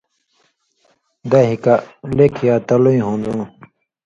دَہیۡ کَہ لیکھیۡ یا تلُوئیں ہُون٘دُوں